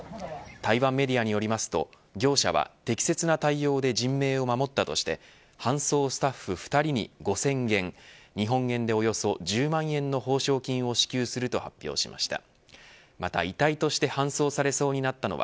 台湾メディアによりますと業者は適切な対応で人命を守ったとして搬送スタッフ２人に５０００元日本円でおよそ１０万円の報奨金を支給すると発表しました。